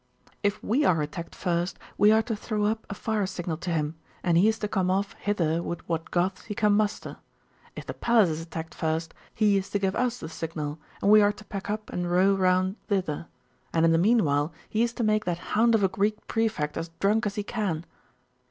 'If we are attacked first, we are to throw up a fire signal to him, and he is to come off hither with what Goths he can muster. If the palace is attacked first, he is to give us the signal, and we are to pack up and row round thither. And in the meanwhile he is to make that hound of a Greek prefect as drunk as he can.